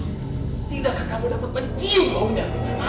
tidakkah kamu dapat mencium omnya